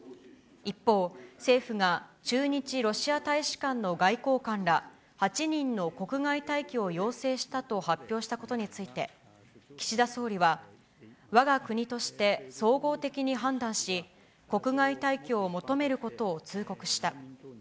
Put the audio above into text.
一方、政府が駐日ロシア大使館の外交官ら、８人の国外退去を要請したと発表したことについて、岸田総理は、わが国として総合的に判断し、国外退去を求めることを通告した。